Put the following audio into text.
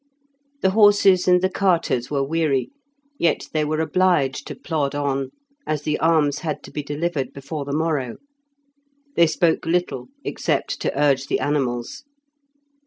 The horses and the carters were weary, yet they were obliged to plod on, as the arms had to be delivered before the morrow. They spoke little, except to urge the animals.